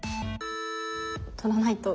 取らないと。